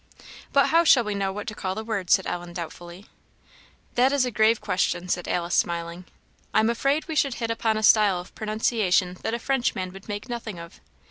"But how shall we know what to call the words?" said Ellen, doubtfully. "That is a grave question," said Alice, smiling. "I am afraid we should hit upon a style of pronunciation that a Frenchman would make nothing of.